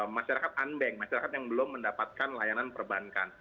masyarakat unbank masyarakat yang belum mendapatkan layanan perbankan